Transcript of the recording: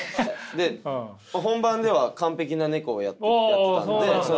で本番では完璧なネコをやってたんで。